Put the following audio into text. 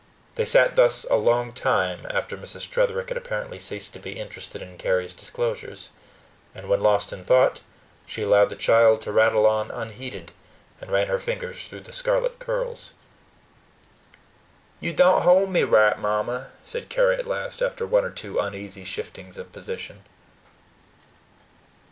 They sat thus a long time after Mrs. Tretherick had apparently ceased to be interested in Carry's disclosures; and when lost in thought, she allowed the child to rattle on unheeded, and ran her fingers through the scarlet curls. "You don't hold me right, Mamma," said Carry at last, after one or two uneasy shiftings of position.